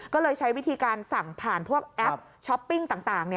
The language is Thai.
ก็เลยใช้วิธีการสั่งผ่านพวกแอปช้อปปิ้งต่าง